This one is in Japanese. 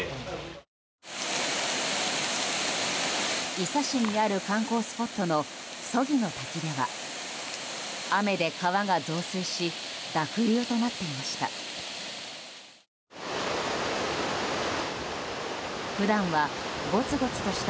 伊佐市にある観光スポットの曽木の滝では雨で川が増水し濁流となっていました。